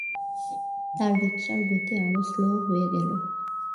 তার রিকশার গতি আরো শ্লথ হয়ে গেল।